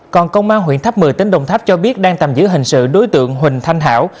còn công an huyện tháp mười tính đồng tháp cho biết đang tầm giữ hình sự đối tượng huỳnh thanh hảo